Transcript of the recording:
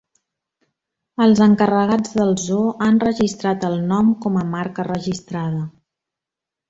Els encarregats del zoo han registrat el nom com a marca registrada.